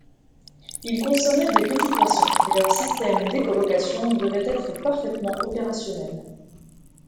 Ils consommaient des petits poissons et leur système d'écholocation devait être parfaitement opérationnel.